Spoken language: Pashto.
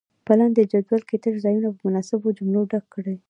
په لاندې جدول کې تش ځایونه په مناسبو جملو ډک کړئ.